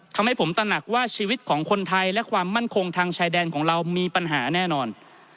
ทำให้ผมตระหนักว่าชีวิตของคนไทยและความมั่นคงทางชายแดนของเรามีปัญหาแน่นอน